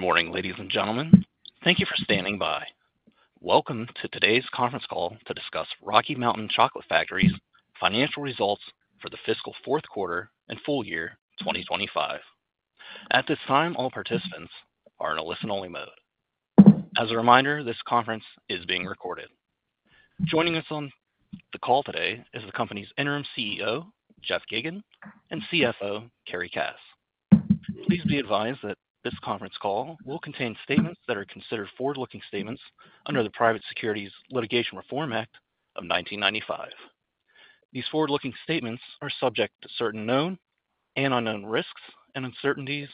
Good morning, ladies and gentlemen. Thank you for standing by. Welcome to today's conference call to discuss Rocky Mountain Chocolate Factory's financial results for the fiscal fourth quarter and full year 2025. At this time, all participants are in a listen-only mode. As a reminder, this conference is being recorded. Joining us on the call today is the company's Interim CEO, Jeff Geygan, and CFO, Carrie Cass. Please be advised that this conference call will contain statements that are considered forward-looking statements under the Private Securities Litigation Reform Act of 1995. These forward-looking statements are subject to certain known and unknown risks and uncertainties,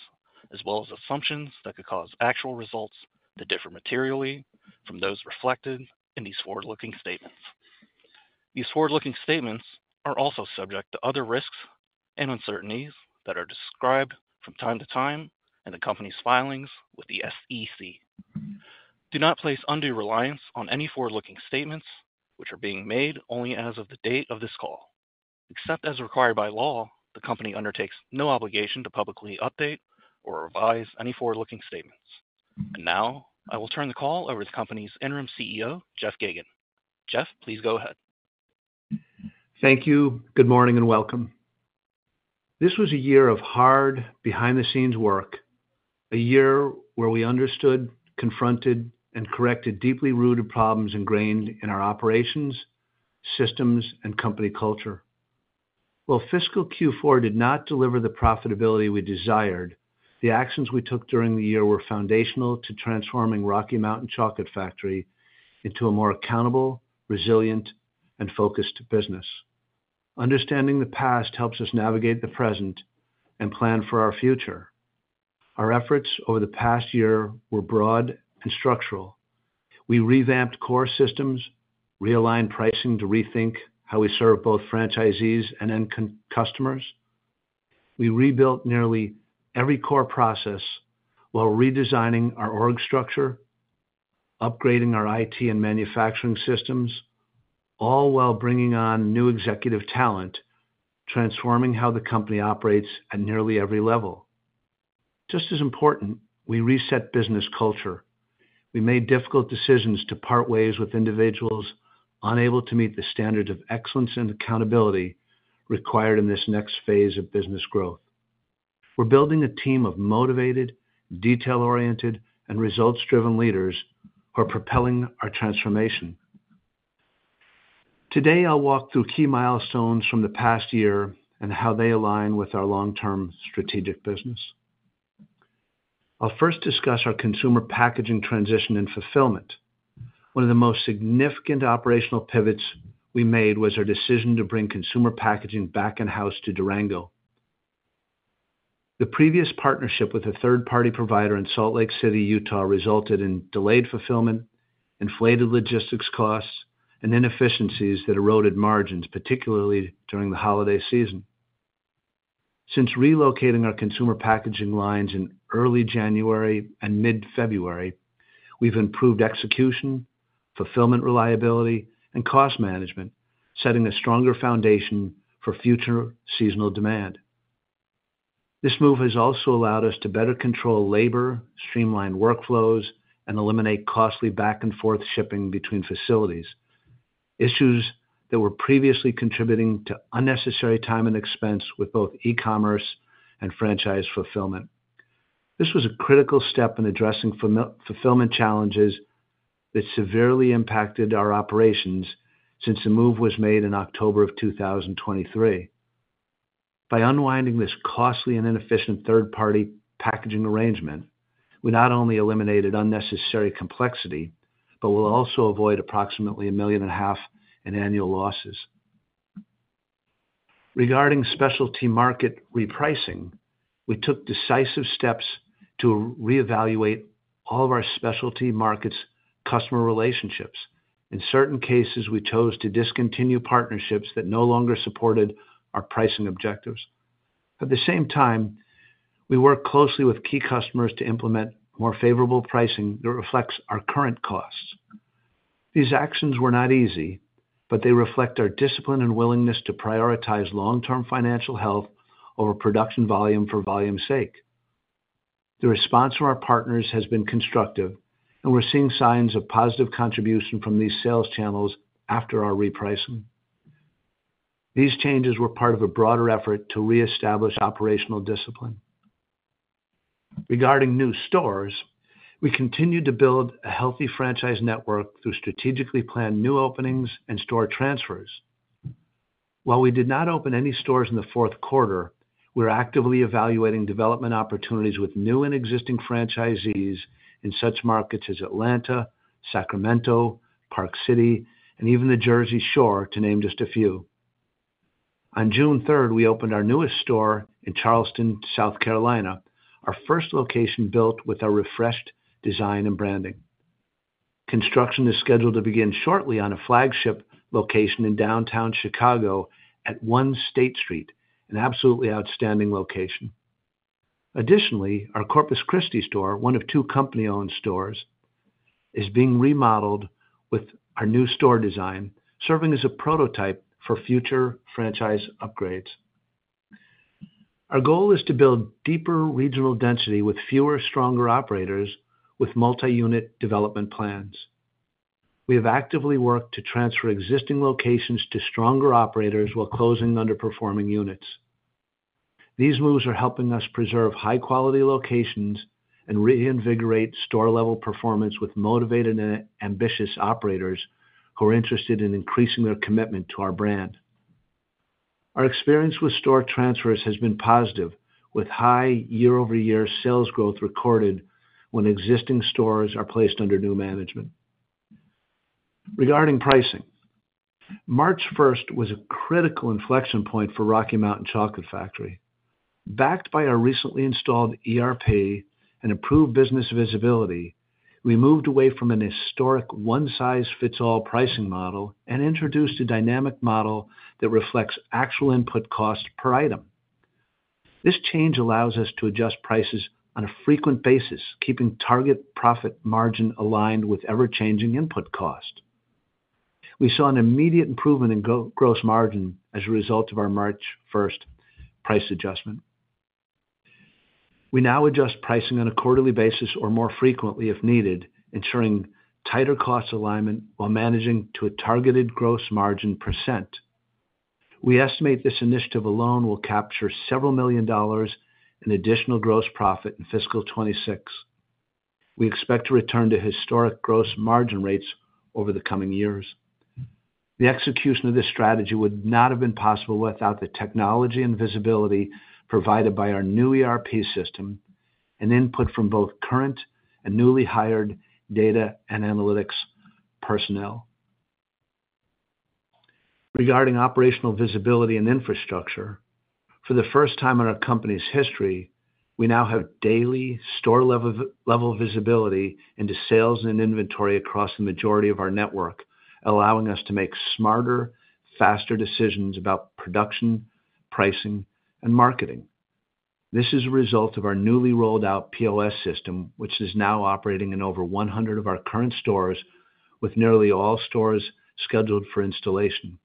as well as assumptions that could cause actual results that differ materially from those reflected in these forward-looking statements. These forward-looking statements are also subject to other risks and uncertainties that are described from time to time in the company's filings with the SEC. Do not place undue reliance on any forward-looking statements, which are being made only as of the date of this call. Except as required by law, the company undertakes no obligation to publicly update or revise any forward-looking statements. I will turn the call over to the company's Interim CEO, Jeff Geygan. Jeff, please go ahead. Thank you. Good morning and welcome. This was a year of hard behind-the-scenes work, a year where we understood, confronted, and corrected deeply rooted problems ingrained in our operations, systems, and company culture. While fiscal Q4 did not deliver the profitability we desired, the actions we took during the year were foundational to transforming Rocky Mountain Chocolate Factory into a more accountable, resilient, and focused business. Understanding the past helps us navigate the present and plan for our future. Our efforts over the past year were broad and structural. We revamped core systems, realigned pricing to rethink how we serve both franchisees and end customers. We rebuilt nearly every core process while redesigning our org structure, upgrading our IT and manufacturing systems, all while bringing on new executive talent, transforming how the company operates at nearly every level. Just as important, we reset business culture. We made difficult decisions to part ways with individuals unable to meet the standards of excellence and accountability required in this next phase of business growth. We're building a team of motivated, detail-oriented, and results-driven leaders who are propelling our transformation. Today, I'll walk through key milestones from the past year and how they align with our long-term strategic business. I'll first discuss our consumer packaging transition and fulfillment. One of the most significant operational pivots we made was our decision to bring consumer packaging back in-house to Durango. The previous partnership with a third-party provider in Salt Lake City, Utah, resulted in delayed fulfillment, inflated logistics costs, and inefficiencies that eroded margins, particularly during the holiday season. Since relocating our consumer packaging lines in early January and mid-February, we've improved execution, fulfillment reliability, and cost management, setting a stronger foundation for future seasonal demand. This move has also allowed us to better control labor, streamline workflows, and eliminate costly back-and-forth shipping between facilities, issues that were previously contributing to unnecessary time and expense with both e-commerce and franchise fulfillment. This was a critical step in addressing fulfillment challenges that severely impacted our operations since the move was made in October of 2023. By unwinding this costly and inefficient third-party packaging arrangement, we not only eliminated unnecessary complexity but will also avoid approximately $1.5 million in annual losses. Regarding specialty market repricing, we took decisive steps to reevaluate all of our specialty markets' customer relationships. In certain cases, we chose to discontinue partnerships that no longer supported our pricing objectives. At the same time, we worked closely with key customers to implement more favorable pricing that reflects our current costs. These actions were not easy, but they reflect our discipline and willingness to prioritize long-term financial health over production volume for volume's sake. The response from our partners has been constructive, and we're seeing signs of positive contribution from these sales channels after our repricing. These changes were part of a broader effort to reestablish operational discipline. Regarding new stores, we continue to build a healthy franchise network through strategically planned new openings and store transfers. While we did not open any stores in the fourth quarter, we're actively evaluating development opportunities with new and existing franchisees in such markets as Atlanta, Sacramento, Park City, and even the Jersey Shore, to name just a few. On June 3rd, we opened our newest store in Charleston, South Carolina, our first location built with our refreshed design and branding. Construction is scheduled to begin shortly on a flagship location in downtown Chicago at One State Street, an absolutely outstanding location. Additionally, our Corpus Christi store, one of two company-owned stores, is being remodeled with our new store design, serving as a prototype for future franchise upgrades. Our goal is to build deeper regional density with fewer, stronger operators with multi-unit development plans. We have actively worked to transfer existing locations to stronger operators while closing underperforming units. These moves are helping us preserve high-quality locations and reinvigorate store-level performance with motivated and ambitious operators who are interested in increasing their commitment to our brand. Our experience with store transfers has been positive, with high year-over-year sales growth recorded when existing stores are placed under new management. Regarding pricing, March 1st was a critical inflection point for Rocky Mountain Chocolate Factory. Backed by our recently installed ERP and improved business visibility, we moved away from a historic one-size-fits-all pricing model and introduced a dynamic model that reflects actual input cost per item. This change allows us to adjust prices on a frequent basis, keeping target profit margin aligned with ever-changing input cost. We saw an immediate improvement in gross margin as a result of our March 1st price adjustment. We now adjust pricing on a quarterly basis or more frequently if needed, ensuring tighter cost alignment while managing to a targeted gross margin %. We estimate this initiative alone will capture several million dollars in additional gross profit in Fiscal 2026. We expect to return to historic gross margin rates over the coming years. The execution of this strategy would not have been possible without the technology and visibility provided by our new ERP system and input from both current and newly hired data and analytics personnel. Regarding operational visibility and infrastructure, for the first time in our company's history, we now have daily store-level visibility into sales and inventory across the majority of our network, allowing us to make smarter, faster decisions about production, pricing, and marketing. This is a result of our newly rolled-out POS system, which is now operating in over 100 of our current stores, with nearly all stores scheduled for installation.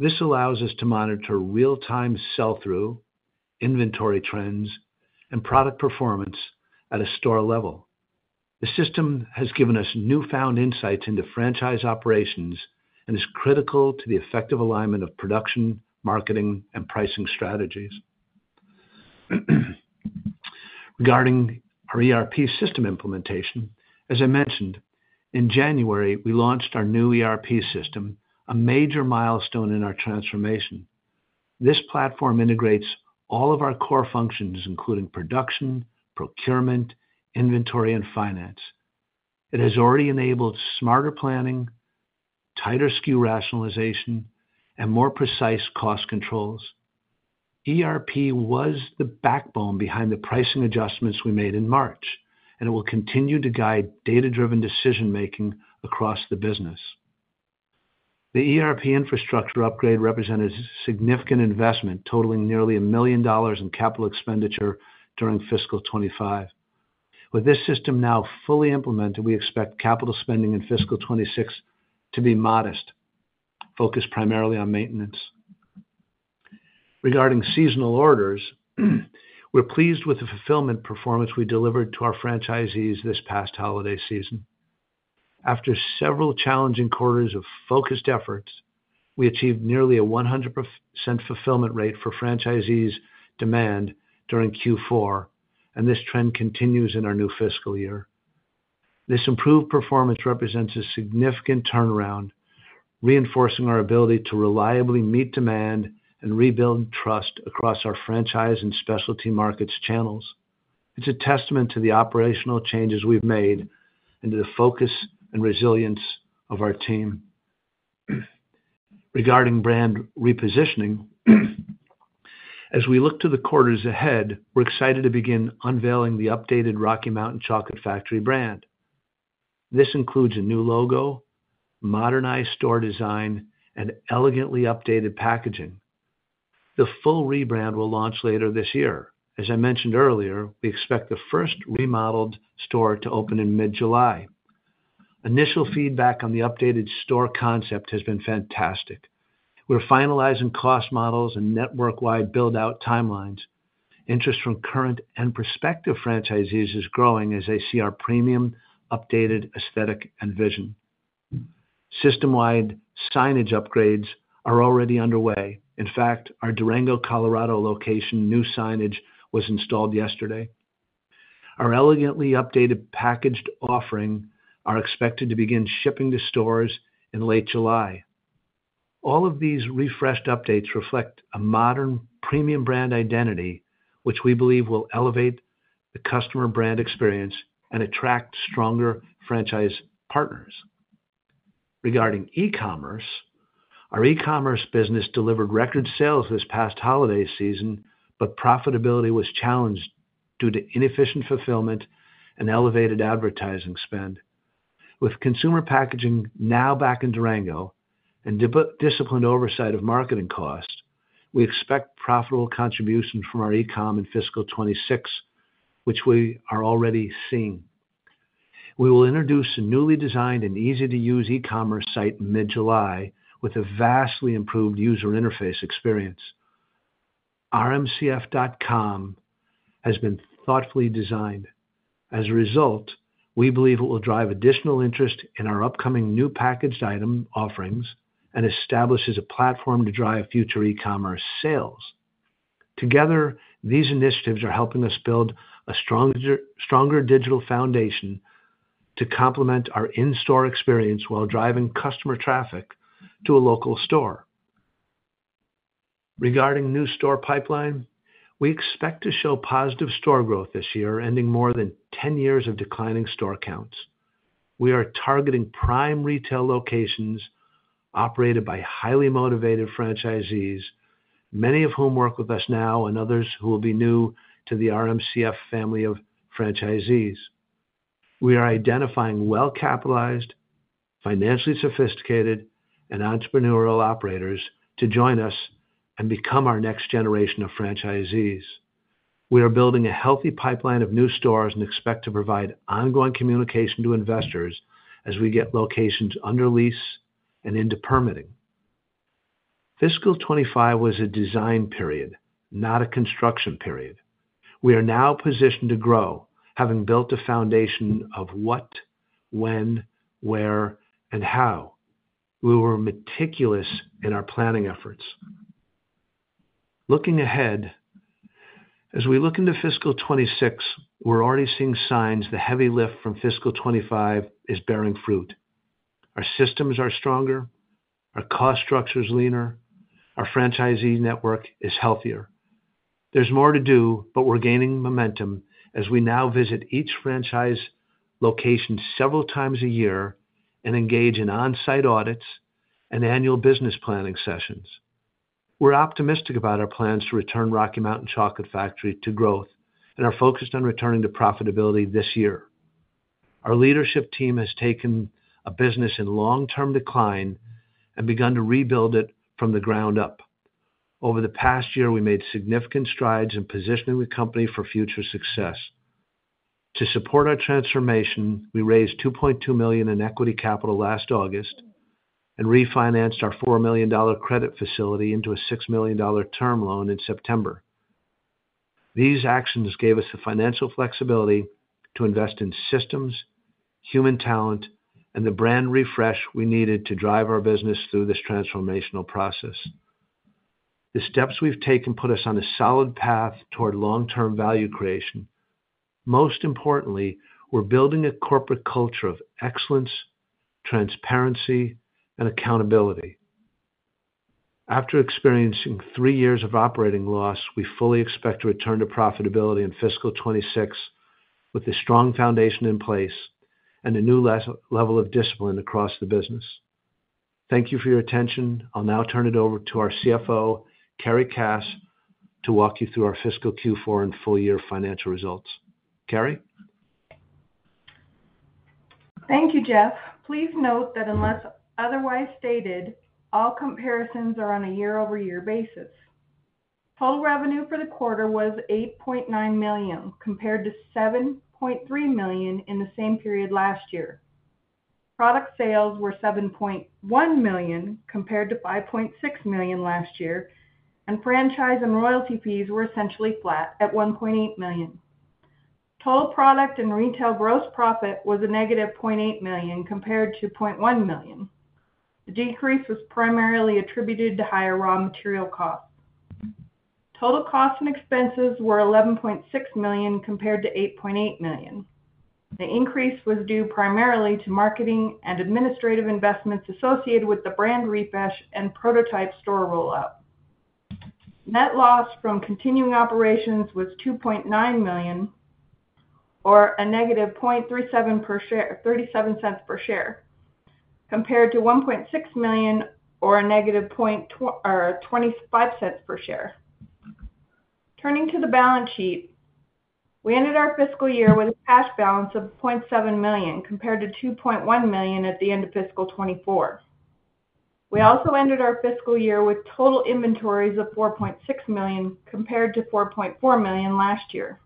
This allows us to monitor real-time sell-through, inventory trends, and product performance at a store level. The system has given us newfound insights into franchise operations and is critical to the effective alignment of production, marketing, and pricing strategies. Regarding our ERP system implementation, as I mentioned, in January, we launched our new ERP system, a major milestone in our transformation. This platform integrates all of our core functions, including production, procurement, inventory, and finance. It has already enabled smarter planning, tighter SKU rationalization, and more precise cost controls. ERP was the backbone behind the pricing adjustments we made in March, and it will continue to guide data-driven decision-making across the business. The ERP infrastructure upgrade represented a significant investment, totaling nearly $1 million in capital expenditure during Fiscal 2025. With this system now fully implemented, we expect capital spending in Fiscal 2026 to be modest, focused primarily on maintenance. Regarding seasonal orders, we're pleased with the fulfillment performance we delivered to our franchisees this past holiday season. After several challenging quarters of focused efforts, we achieved nearly a 100% fulfillment rate for franchisees' demand during Q4, and this trend continues in our new fiscal year. This improved performance represents a significant turnaround, reinforcing our ability to reliably meet demand and rebuild trust across our franchise and specialty markets channels. It's a testament to the operational changes we've made and to the focus and resilience of our team. Regarding brand repositioning, as we look to the quarters ahead, we're excited to begin unveiling the updated Rocky Mountain Chocolate Factory brand. This includes a new logo, modernized store design, and elegantly updated packaging. The full rebrand will launch later this year. As I mentioned earlier, we expect the first remodeled store to open in mid-July. Initial feedback on the updated store concept has been fantastic. We're finalizing cost models and network-wide build-out timelines. Interest from current and prospective franchisees is growing as they see our premium updated aesthetic and vision. System-wide signage upgrades are already underway. In fact, our Durango, Colorado location new signage was installed yesterday. Our elegantly updated packaged offering are expected to begin shipping to stores in late July. All of these refreshed updates reflect a modern premium brand identity, which we believe will elevate the customer brand experience and attract stronger franchise partners. Regarding e-commerce, our e-commerce business delivered record sales this past holiday season, but profitability was challenged due to inefficient fulfillment and elevated advertising spend. With consumer packaging now back in Durango and disciplined oversight of marketing costs, we expect profitable contributions from our e-com in Fiscal 2026, which we are already seeing. We will introduce a newly designed and easy-to-use e-commerce site in mid-July with a vastly improved user interface experience. rmcf.com has been thoughtfully designed. As a result, we believe it will drive additional interest in our upcoming new packaged item offerings and establishes a platform to drive future e-commerce sales. Together, these initiatives are helping us build a stronger digital foundation to complement our in-store experience while driving customer traffic to a local store. Regarding new store pipeline, we expect to show positive store growth this year, ending more than 10 years of declining store counts. We are targeting prime retail locations operated by highly motivated franchisees, many of whom work with us now and others who will be new to the RMCF family of franchisees. We are identifying well-capitalized, financially sophisticated, and entrepreneurial operators to join us and become our next generation of franchisees. We are building a healthy pipeline of new stores and expect to provide ongoing communication to investors as we get locations under lease and into permitting. Fiscal 2025 was a design period, not a construction period. We are now positioned to grow, having built a foundation of what, when, where, and how. We were meticulous in our planning efforts. Looking ahead, as we look into Fiscal 2026, we're already seeing signs the heavy lift from Fiscal 2025 is bearing fruit. Our systems are stronger, our cost structure is leaner, our franchisee network is healthier. There's more to do, but we're gaining momentum as we now visit each franchise location several times a year and engage in on-site audits and annual business planning sessions. We're optimistic about our plans to return Rocky Mountain Chocolate Factory to growth and are focused on returning to profitability this year. Our leadership team has taken a business in long-term decline and begun to rebuild it from the ground up. Over the past year, we made significant strides in positioning the company for future success. To support our transformation, we raised $2.2 million in equity capital last August and refinanced our $4 million credit facility into a $6 million term loan in September. These actions gave us the financial flexibility to invest in systems, human talent, and the brand refresh we needed to drive our business through this transformational process. The steps we've taken put us on a solid path toward long-term value creation. Most importantly, we're building a corporate culture of excellence, transparency, and accountability. After experiencing three years of operating loss, we fully expect to return to profitability in Fiscal 2026 with a strong foundation in place and a new level of discipline across the business. Thank you for your attention. I'll now turn it over to our CFO, Carrie Cass, to walk you through our fiscal Q4 and full-year financial results. Carrie? Thank you, Jeff. Please note that unless otherwise stated, all comparisons are on a year-over-year basis. Total revenue for the quarter was $8.9 million, compared to $7.3 million in the same period last year. Product sales were $7.1 million, compared to $5.6 million last year, and franchise and royalty fees were essentially flat at $1.8 million. Total product and retail gross profit was a $ -0.8 million, compared to $0.1 million. The decrease was primarily attributed to higher raw material costs. Total costs and expenses were $11.6 million, compared to $8.8 million. The increase was due primarily to marketing and administrative investments associated with the brand refresh and prototype store rollout. Net loss from continuing operations was $2.9 million, or a $ -0.37 per share, 37 cents per share, compared to $1.6 million or a $ -0.25 per share. Turning to the balance sheet, we ended our fiscal year with a cash balance of $0.7 million, compared to $2.1 million at the end of Fiscal 2024. We also ended our fiscal year with total inventories of $4.6 million, compared to $4.4 million last year.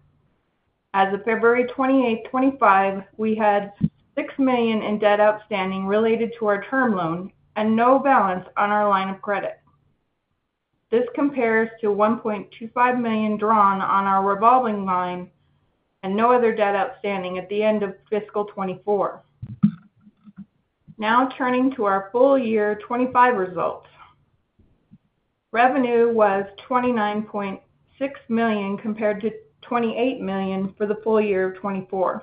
As of February 28, 2025, we had $6 million in debt outstanding related to our term loan and no balance on our line of credit. This compares to $1.25 million drawn on our revolving line and no other debt outstanding at the end of Fiscal 2024. Now turning to our full-year 2025 results, revenue was $29.6 million compared to $28 million for the full year of 2024.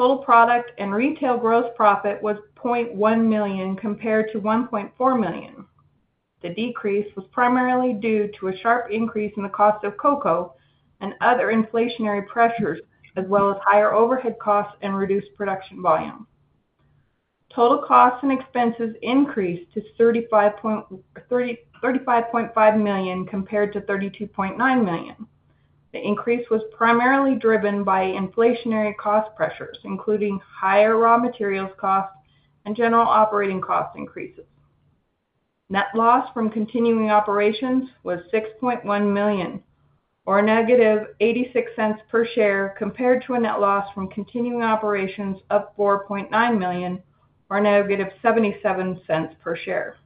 Total product and retail gross profit was $0.1 million compared to $1.4 million. The decrease was primarily due to a sharp increase in the cost of cocoa and other inflationary pressures, as well as higher overhead costs and reduced production volume. Total costs and expenses increased to $35.5 million compared to $32.9 million. The increase was primarily driven by inflationary cost pressures, including higher raw materials costs and general operating cost increases. Net loss from continuing operations was $6.1 million or a negative $0.86 per share, compared to a net loss from continuing operations of $4.9 million or a negative $0.77 per share.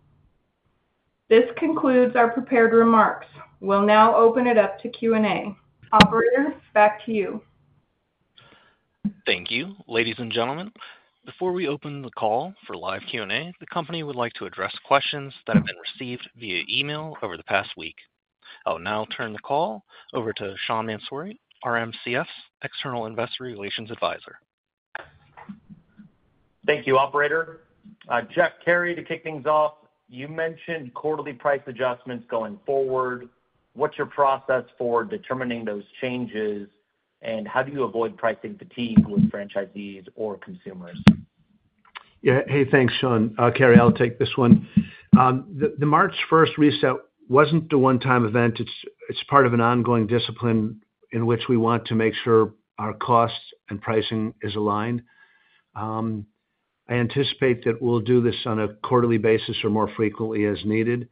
This concludes our prepared remarks. We'll now open it up to Q&A. Operator, back to you. Thank you, ladies and gentlemen. Before we open the call for live Q&A, the company would like to address questions that have been received via email over the past week. I'll now turn the call over to Sean Mansouri, RMCF's External Investor Relations Advisor. Thank you, Operator. Jeff, Carrie, to kick things off, you mentioned quarterly price adjustments going forward. What's your process for determining those changes, and how do you avoid pricing fatigue with franchisees or consumers? Yeah. Hey, thanks, Sean. Carrie, I'll take this one. The March 1st reset wasn't a one-time event. It's part of an ongoing discipline in which we want to make sure our costs and pricing are aligned. I anticipate that we'll do this on a quarterly basis or more frequently as needed.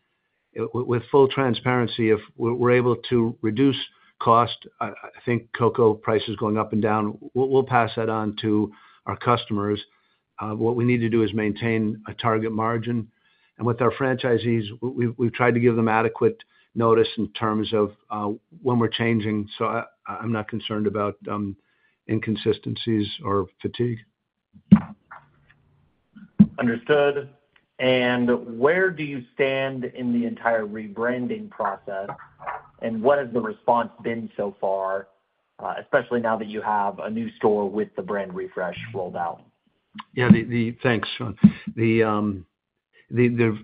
With full transparency, if we're able to reduce cost, I think cocoa prices going up and down, we'll pass that on to our customers. What we need to do is maintain a target margin. And with our franchisees, we've tried to give them adequate notice in terms of when we're changing. So I'm not concerned about inconsistencies or fatigue. Understood. Where do you stand in the entire rebranding process, and what has the response been so far, especially now that you have a new store with the brand refresh rolled out? Yeah. Thanks, Sean. The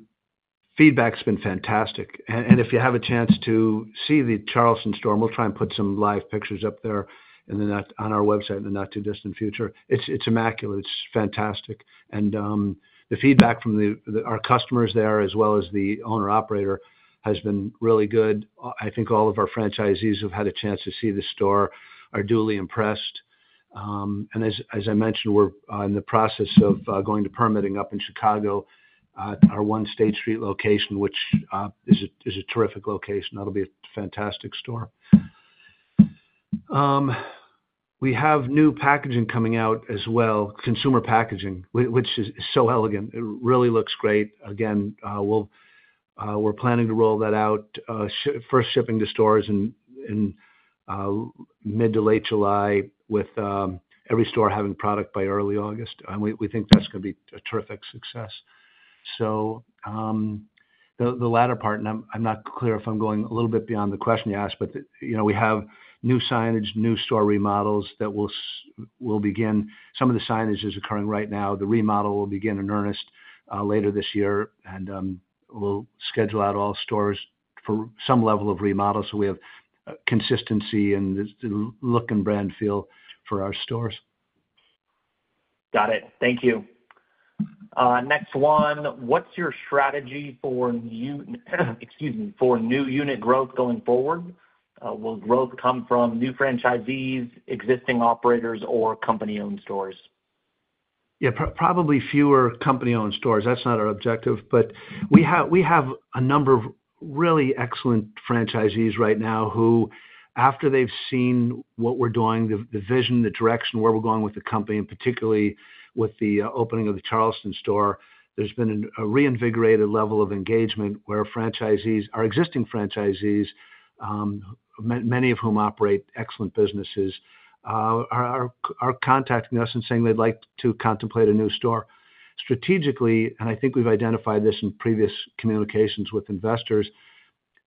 feedback's been fantastic. If you have a chance to see the Charleston store, we'll try and put some live pictures up there on our website in the not-too-distant future. It's immaculate. It's fantastic. The feedback from our customers there, as well as the owner-operator, has been really good. I think all of our franchisees who've had a chance to see the store are duly impressed. As I mentioned, we're in the process of going to permitting up in Chicago, our One State Street location, which is a terrific location. That'll be a fantastic store. We have new packaging coming out as well, consumer packaging, which is so elegant. It really looks great. Again, we're planning to roll that out, first shipping to stores in mid to late July, with every store having product by early August. We think that's going to be a terrific success. The latter part, and I'm not clear if I'm going a little bit beyond the question you asked, but we have new signage, new store remodels that we'll begin. Some of the signage is occurring right now. The remodel will begin in earnest later this year, and we'll schedule out all stores for some level of remodel so we have consistency in the look and brand feel for our stores. Got it. Thank you. Next one, what's your strategy for new unit growth going forward? Will growth come from new franchisees, existing operators, or company-owned stores? Yeah. Probably fewer company-owned stores. That's not our objective. We have a number of really excellent franchisees right now who, after they've seen what we're doing, the vision, the direction where we're going with the company, and particularly with the opening of the Charleston store, there's been a reinvigorated level of engagement where our existing franchisees, many of whom operate excellent businesses, are contacting us and saying they'd like to contemplate a new store. Strategically, and I think we've identified this in previous communications with investors,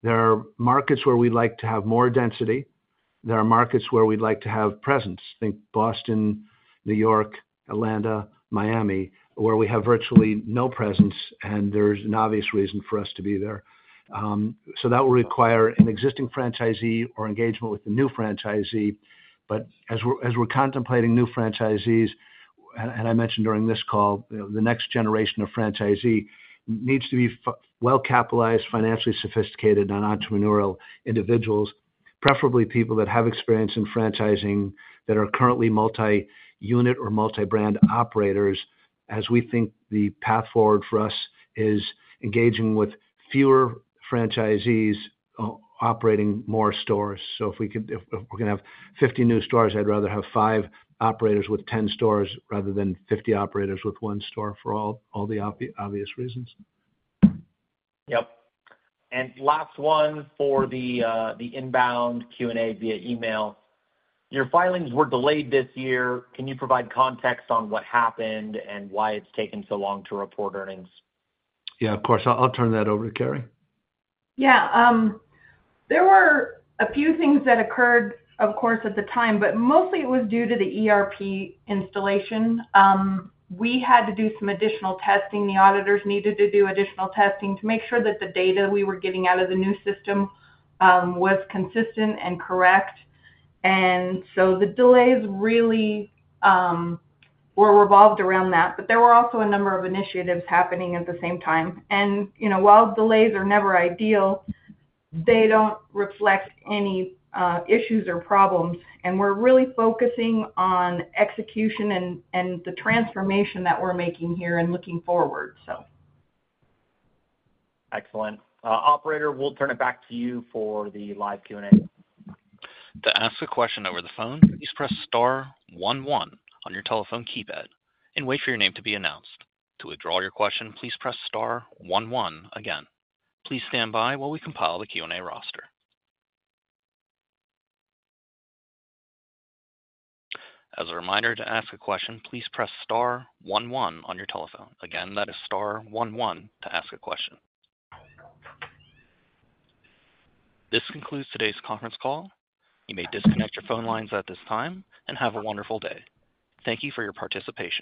there are markets where we'd like to have more density. There are markets where we'd like to have presence. Think Boston, New York, Atlanta, Miami, where we have virtually no presence, and there's an obvious reason for us to be there. That will require an existing franchisee or engagement with a new franchisee. As we're contemplating new franchisees, and I mentioned during this call, the next generation of franchisee needs to be well-capitalized, financially sophisticated, and entrepreneurial individuals, preferably people that have experience in franchising that are currently multi-unit or multi-brand operators, as we think the path forward for us is engaging with fewer franchisees operating more stores. If we're going to have 50 new stores, I'd rather have 5 operators with 10 stores rather than 50 operators with 1 store for all the obvious reasons. Yep. And last one for the inbound Q&A via email. Your filings were delayed this year. Can you provide context on what happened and why it's taken so long to report earnings? Yeah, of course. I'll turn that over to Carrie. Yeah. There were a few things that occurred, of course, at the time, but mostly it was due to the ERP installation. We had to do some additional testing. The auditors needed to do additional testing to make sure that the data we were getting out of the new system was consistent and correct. The delays really were revolved around that. There were also a number of initiatives happening at the same time. While delays are never ideal, they do not reflect any issues or problems. We are really focusing on execution and the transformation that we are making here and looking forward, so. Excellent. Operator, we'll turn it back to you for the live Q&A. To ask a question over the phone, please press star one one on your telephone keypad and wait for your name to be announced. To withdraw your question, please press star one one again. Please stand by while we compile the Q&A roster. As a reminder, to ask a question, please press star one one on your telephone. Again, that is star one one to ask a question. This concludes today's conference call. You may disconnect your phone lines at this time and have a wonderful day. Thank you for your participation.